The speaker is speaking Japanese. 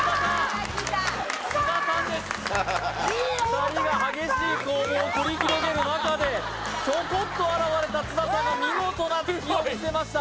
２人が激しい攻防を繰り広げる中でちょこっと現れた津田さんが見事な突きを見せました